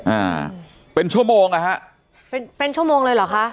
อ่าเป็นชั่วโมงอ่ะฮะเป็นเป็นชั่วโมงเลยเหรอคะ